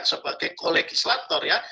sebagai kolegislator ya